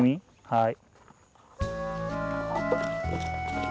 はい。